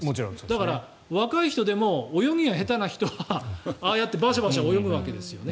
だから、若い人でも泳ぎが下手な人はああやってバシャバシャ泳ぐわけですよね。